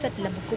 mày làm sao đấy